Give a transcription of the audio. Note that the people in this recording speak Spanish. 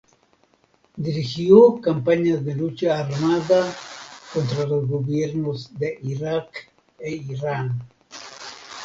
Dirigió campañas de lucha armada contra los gobiernos de Irak e Irán.